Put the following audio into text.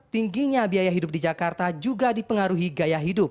tingginya biaya hidup di jakarta juga dipengaruhi gaya hidup